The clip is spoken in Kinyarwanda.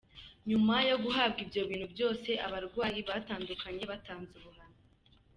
Nyuma yo guhabwa ibyo bintu byose abarwayi batandukanye batanze ubuhamya.